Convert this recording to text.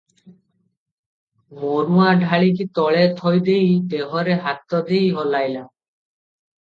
ମରୁଆ ଢାଳଟି ତଳେ ଥୋଇଦେଇ ଦେହରେ ହାତ ଦେଇ ହଲାଇଲା ।